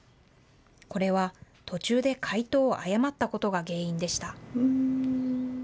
これは途中で回答を誤ったことが原因でした。